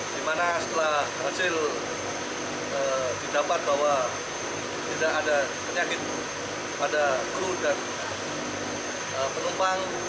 di mana setelah hasil didapat bahwa tidak ada penyakit pada kru dan penumpang